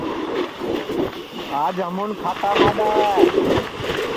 آج ہمُون کھاٹا ماڈؔا ہے